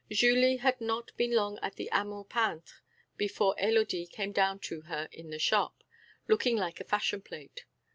Julie had not been long at the Amour peintre before Élodie came down to her in the shop, looking like a fashion plate.